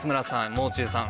もう中さん